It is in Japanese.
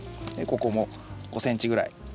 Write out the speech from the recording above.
ここも５ｃｍぐらい。